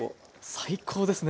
最高ですね！